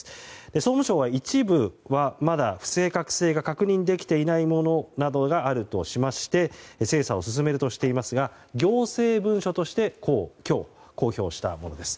総務省は一部はまだ不正か確認できていないものがあるとしまして精査を進めるとしていますが行政文書として今日、公表したものです。